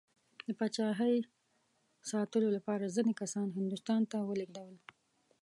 د پاچایۍ ساتلو لپاره ځینې کسان هندوستان ته ولېږدول.